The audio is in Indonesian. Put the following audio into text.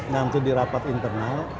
nanti di rapat internal